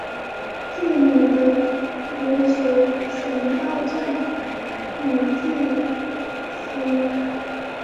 祝女的琉球神道教女祭司。